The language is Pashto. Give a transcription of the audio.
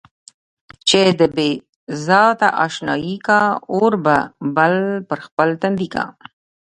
چې د بې ذاته اشنايي کا، اور به بل پر خپل تندي کا.